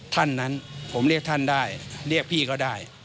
ท่านนั้นผมเรียกท่านได้เรียกพี่ก็ได้